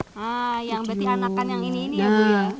ah yang berdianakan yang ini ya bu